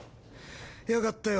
よかったよ